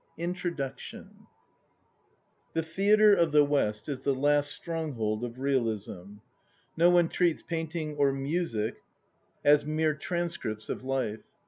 14 15 INTRODUCTION The theatre of the West is the last stronghold of realism. No one treats painting or music as mere transcripts of life.